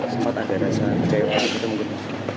sempat ada rasa cewek kita menggunakan